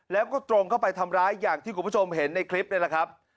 แล้วก็ตรงเข้าไปทำร้ายอย่างที่คุณผู้ชมเห็นในคลิปนี่แหละครับ